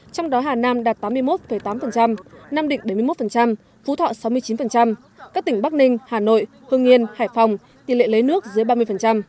trong đó hà nam đạt tám mươi một tám nam định bảy mươi một phú thọ sáu mươi chín các tỉnh bắc ninh hà nội hương nhiên hải phòng tỷ lệ lấy nước dưới ba mươi